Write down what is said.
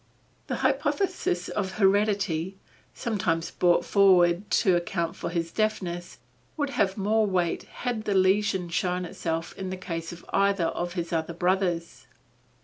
The hypothesis of heredity, sometimes brought forward to account for his deafness, would have more weight had the lesion shown itself in the case of either of his other brothers.